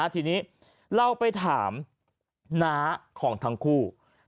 ทีนี้เราไปถามน้าของทั้งคู่